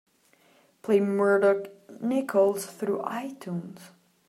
Play Murdoc Nicalls through Itunes.